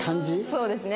そうですね。